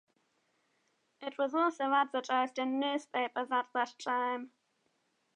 It was also advertised in newspapers at that time.